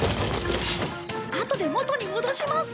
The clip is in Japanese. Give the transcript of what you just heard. あとで元に戻します！